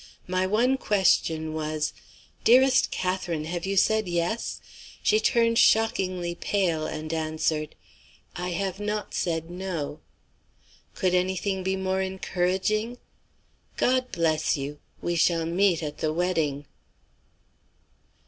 My one question was: 'Dearest Catherine, have you said Yes?' She turned shockingly pale, and answered: 'I have not said No.' Could anything be more encouraging? God bless you; we shall meet at the wedding."